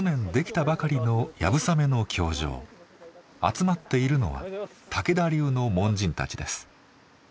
集まっているのは武田流の門人たちです。